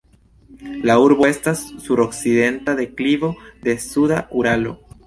La urbo estas sur okcidenta deklivo de suda Uralo.